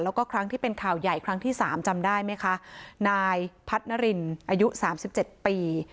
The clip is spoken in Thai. แล้วก็ครั้งที่เป็นข่าวใหญ่ครั้งที่๓จำได้ไหมคะนายพัฒนรินอายุ๓๗ปี